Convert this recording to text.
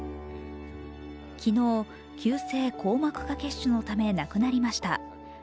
昨日、急性硬膜下血腫のため亡くなりました。